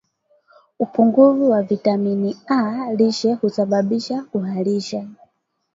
upungufu wa vitamini A lishe husababisha kuharisha